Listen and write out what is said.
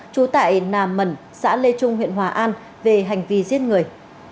trú tại nà mẩn xã lê trung huyện hòa an về hành vi giết người